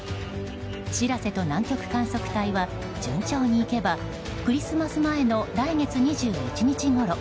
「しらせ」と南極観測隊は順調にいけばクリスマス前の来月２１日ごろ